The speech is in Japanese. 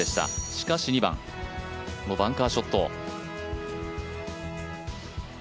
しかし２番、このバンカーショット。